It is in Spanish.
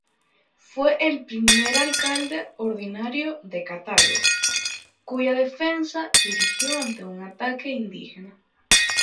Fue el primer alcalde ordinario de Cartago, cuya defensa dirigió ante un ataque indígena.